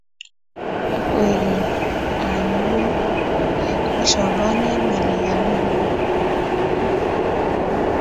koek keny anyur ne ashangani eng ngalek ab nywanduni